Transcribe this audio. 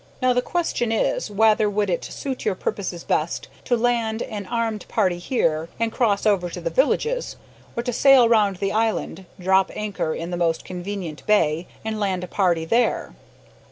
Now, the question is, whether would it suit your purposes best to land an armed party here, and cross over to the villages, or to sail round the island, drop anchor in the most convenient bay, and land a party there?"